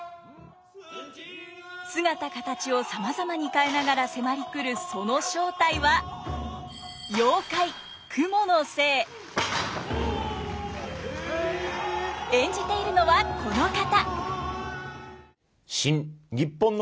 姿形をさまざまに変えながら迫りくるその正体は演じているのはこの方。